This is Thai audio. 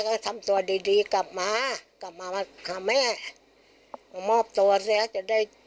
ก็ทำตัวดีดีกลับมากลับมามาหาแม่มามอบตัวเสียจะได้